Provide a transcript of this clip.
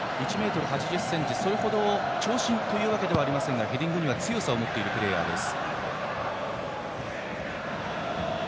それほど長身というわけではありませんがヘディングに強さを持っているプレーヤーです。